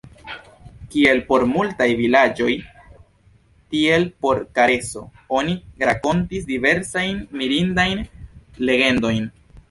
Kiel por multaj vilaĝoj, tiel por Kareso, oni rakontis diversajn mirindajn legendojn.